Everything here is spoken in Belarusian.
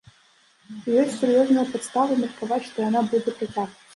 І ёсць сур'ёзныя падставы меркаваць, што яна будзе працягвацца.